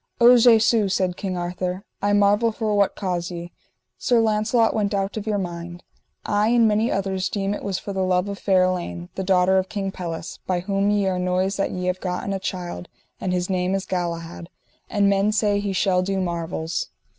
O Jesu, said King Arthur, I marvel for what cause ye, Sir Launcelot, went out of your mind. I and many others deem it was for the love of fair Elaine, the daughter of King Pelles, by whom ye are noised that ye have gotten a child, and his name is Galahad, and men say he shall do marvels.